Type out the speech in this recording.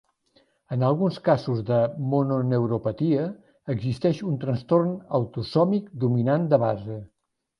En alguns casos de mononeuropatia, existeix un trastorn autosòmic dominant de base.